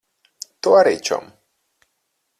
Tu arī, čom.